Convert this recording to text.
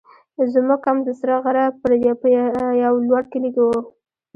زموږ کمپ د سره غره په یو لوړ کلي کې وو.